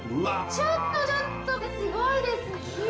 ちょっとちょっとこれすごいですね。